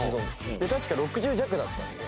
確か６０弱だったんで。